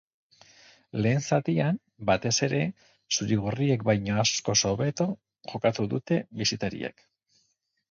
Lehen zatian, batez ere, zuri-gorriek baino askoz hobeto jokatu dute bisitariek.